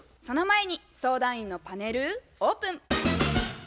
その前に相談員のパネルオープン。